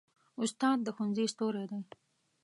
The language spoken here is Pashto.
استاد د ښوونځي ستوری دی.